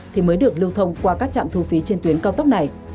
thì mới được lưu thông qua các trạm thu phí trên tuyến cao tốc này